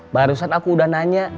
barusan aku udah nanya